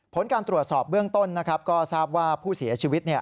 ผลการตรวจสอบเบื้องต้นนะครับก็ทราบว่าผู้เสียชีวิต